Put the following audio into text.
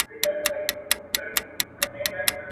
د مرګي لښکري بند پر بند ماتیږي.